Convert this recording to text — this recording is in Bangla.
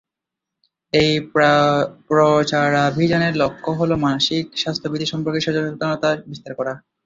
এই প্রচারাভিযানের লক্ষ্য হল মাসিক স্বাস্থ্যবিধি সম্পর্কে সচেতনতা বিস্তার করা।